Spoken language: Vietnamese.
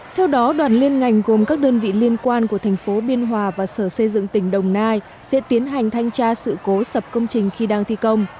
theo đó đoàn liên ngành gồm các đơn vị liên quan của thành phố biên hòa và sở xây dựng tỉnh đồng nai sẽ tiến hành thanh tra sự cố sập công trình khi đang thi công